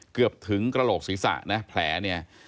เกือบถึงกระโหลกศีรษะนะแผลเนี่ย